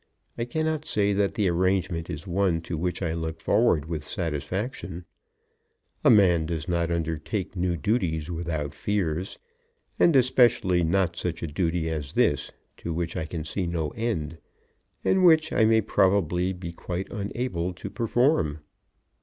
I cannot say that the arrangement is one to which I look forward with satisfaction. A man does not undertake new duties without fears; and especially not such a duty as this, to which I can see no end, and which I may probably be quite unable to perform."